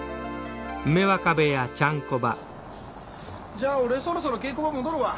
じゃあ俺そろそろ稽古場戻るわ。